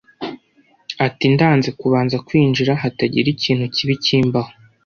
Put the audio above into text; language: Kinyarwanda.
Ati: ndanze kubanza kwinjira hatagira ikintu kibi kimbaho